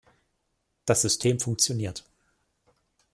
Das System funktioniert.